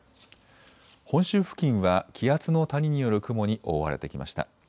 本州付近は気圧の谷による雲に覆われてきました。